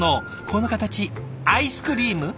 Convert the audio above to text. この形アイスクリーム？